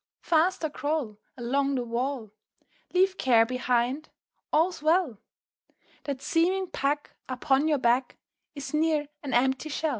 faster crawl Along the wall, Leave care behind, all's well! That seeming pack Upon your back Is near an empty shell.